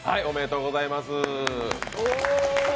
おめでとうございます。